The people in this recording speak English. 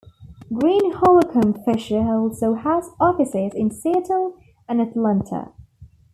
Greene Holcomb Fisher also has offices in Seattle and Atlanta.